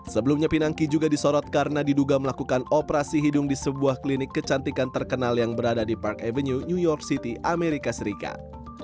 sebelumnya pinangki juga disorot karena diduga melakukan operasi hidung di sebuah klinik kecantikan terkenal yang berada di park avenue new york city amerika serikat